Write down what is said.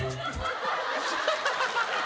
ハハハハ！